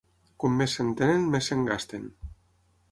Com més se'n tenen, més se'n gasten.